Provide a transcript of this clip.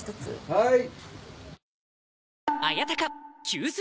はい。